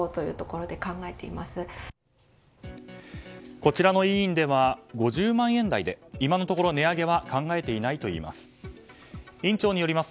こちらの医院では５０万円台で今のところ値上げは考えていないといいます。